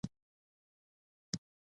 د زرو ښخ شوي لوښي وموندل شول.